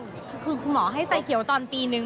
คือคุณหมอให้ไฟเขียวตอนปีนึง